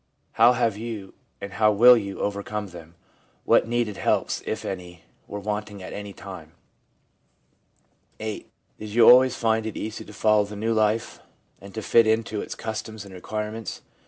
How have you, and how will you, overcome them ? What needed helps, if any, were wanting at any time ? i VIII. Did you always find it easy to follow the new life, and to fit into its customs and requirements?